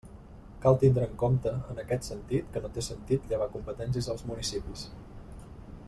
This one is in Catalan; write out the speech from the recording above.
Cal tindre en compte, en aquest sentit, que no té sentit llevar competències als municipis.